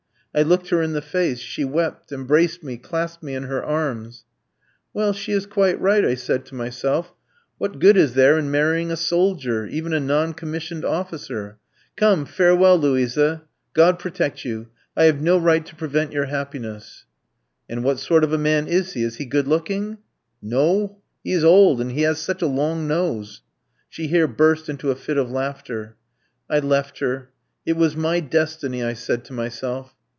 I looked her in the face, she wept, embraced me, clasped me in her arms. "'Well, she is quite right,' I said to myself, 'what good is there in marrying a soldier even a non commissioned officer? Come, farewell, Luisa. God protect you. I have no right to prevent your happiness.' "'And what sort of a man is he? Is he good looking?' "'No, he is old, and he has such a long nose.' "She here burst into a fit of laughter. I left her. 'It was my destiny,' I said to myself.